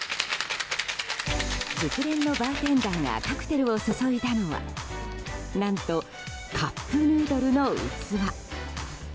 熟練のバーテンダーがカクテルを注いだのは何と、カップヌードルの器。